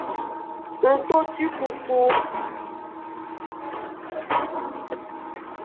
Ngtotwikuku.